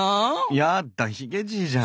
やっだヒゲじいじゃん。